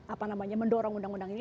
apa namanya mendorong undang undang ini